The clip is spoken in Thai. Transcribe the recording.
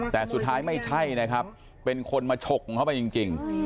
แต่สุดท้ายไม่ใช่นะครับเป็นคนมาฉกของเขาไปจริง